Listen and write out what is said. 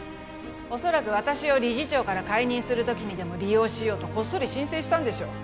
恐らく私を理事長から解任する時にでも利用しようとこっそり申請したんでしょう